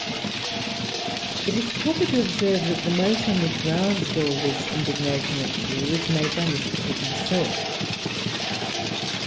It is proper to observe, that the motion which roused all this indignation at Kew was made by Mr. Pitt himself.